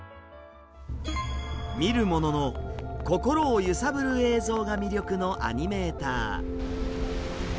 見る者の心を揺さぶる映像が魅力のアニメーター。